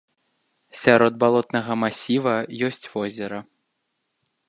Сярод балотнага масіва ёсць возера.